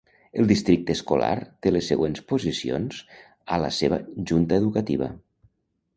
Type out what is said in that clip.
El districte escolar té les següents posicions a la seva Junta educativa.